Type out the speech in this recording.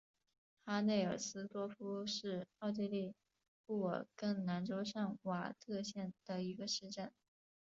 哈内尔斯多夫是奥地利布尔根兰州上瓦特县的一个市镇。